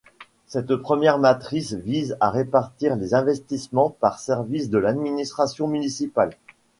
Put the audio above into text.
Cette première matrice vise à répartir les investissements par service de l'administration municipale.